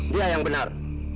dia yang benar